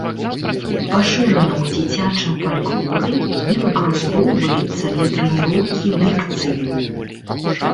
Пашырана ў дзіцячым фальклоры і выкарыстоўваецца для трэніроўкі дыкцыі.